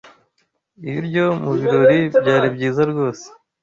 Ibiryo mubirori byari byiza rwose.